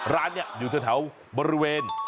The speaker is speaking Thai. ร้านนี้อยู่แถวบริเวณ